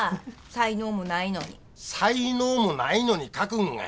才能もないのに書くんが偉いやろ。